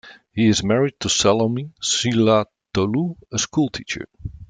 He is married to Salome Silatolu, a school teacher.